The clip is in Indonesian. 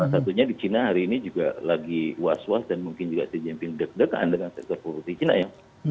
satunya di china hari ini juga lagi was was dan mungkin juga xi jinping deg degan dengan sektor properti china ya